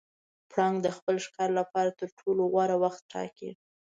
پړانګ د خپل ښکار لپاره تر ټولو غوره وخت ټاکي.